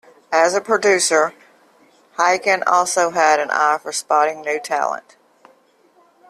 As a producer, Hiken also had an eye for spotting new talent.